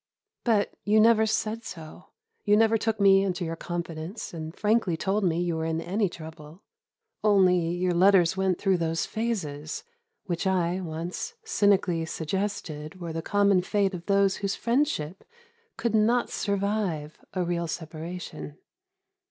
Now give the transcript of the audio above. But you never said so; you never took me into your confidence and frankly told me you were in any trouble; only your letters went through those phases which I, once, cynically suggested were the common fate of those whose friendship could not survive a real separation.